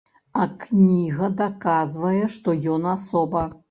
А кніга даказвае, што ён асоба.